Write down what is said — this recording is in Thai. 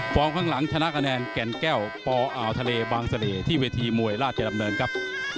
ข้างหลังชนะคะแนนแก่นแก้วปอ่าวทะเลบางเสน่ห์ที่เวทีมวยราชดำเนินครับ